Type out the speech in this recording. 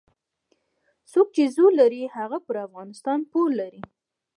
څوک چې زور لري هغه پر افغانستان پور لري.